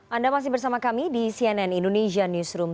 anda masih bersama kami di cnn indonesia newsroom